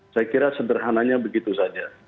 saya kira sederhananya begitu saja